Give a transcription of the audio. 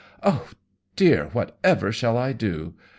Oh dear! Whatever shall I do?